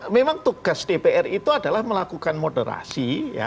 memang tugas dpr itu adalah melakukan moderasi